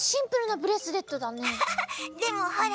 でもほら！